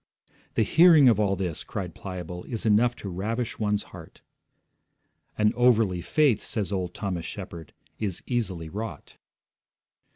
'The hearing of all this,' cried Pliable, 'is enough to ravish one's heart.' 'An overly faith,' says old Thomas Shepard, 'is easily wrought.'